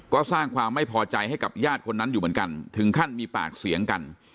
ก็สร้างความไม่พอใจให้กับญาติคนนั้นอยู่เหมือนกันถึงขั้นมีปากเสียงกัน